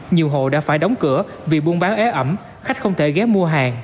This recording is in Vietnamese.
nhiều hộ đã phải đóng cửa vì buôn bán é ẩm khách không thể ghé mua hàng